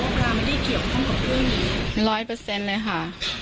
ว่าเราไม่ได้เกี่ยวข้องกับเพื่อนนี้ร้อยเปอร์เซ็นต์เลยค่ะ